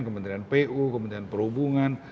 kementerian pu kementerian perhubungan